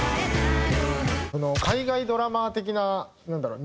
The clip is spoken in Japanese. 海外ドラマー的ななんだろう？